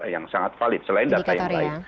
yang sangat valid selain data yang baik